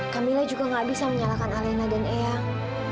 kamilah juga gak bisa menyalahkan alena dan eang